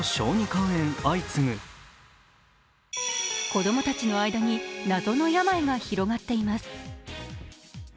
子供たちの間に謎の病が広がっています。